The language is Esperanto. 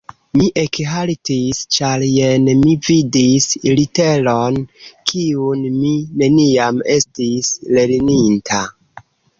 Mi ekhaltis, ĉar jen mi vidis literon, kiun mi neniam estis lerninta.